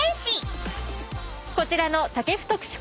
こちらの。